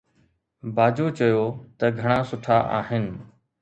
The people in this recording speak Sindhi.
باجو چيو ته گهڻا سٺا آهن